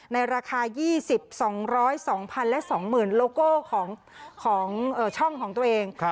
ในราคา๒๒๐๒๐๐และ๒๐๐๐โลโก้ของช่องของตัวเอง